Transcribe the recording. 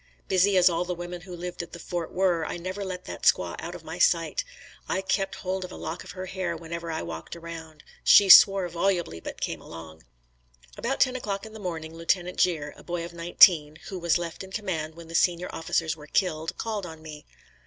Busy as all the women who lived at the fort were, I never let that squaw out of my sight. I kept hold of a lock of her hair whenever I walked around. She swore volubly, but came along. About ten o'clock in the morning Lieutenant Gere, a boy of nineteen, who was left in command when the senior officers were killed, called on me.